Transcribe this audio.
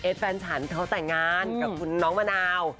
แฟนฉันเขาแต่งงานกับคุณน้องมะนาว